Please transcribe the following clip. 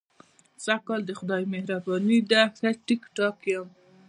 سږ کال د خدای مهرباني ده، ښه ټیک ټاک یم.